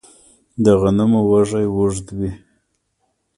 د غنمو وږی اوږد وي.